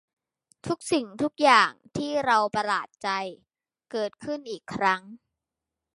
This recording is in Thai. ทุกสิ่งทุกอย่างที่เราประหลาดใจ เกิดขึ้นอีกครั้ง